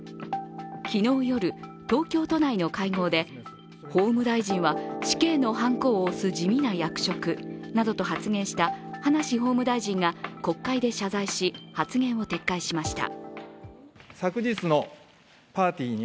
昨日夜、東京都内の会合で「法務大臣は死刑のはんこを押す地味な役職」などと発言した葉梨法務大臣が国会で謝罪し発言を撤回しました。